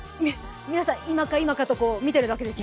皆さん、今か、今かと見ているわけですね。